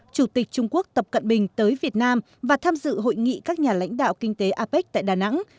chủ tịch trung quốc tập cận bình tới việt nam và tham dự hội nghị các nhà lãnh đạo kinh tế apec tại đà nẵng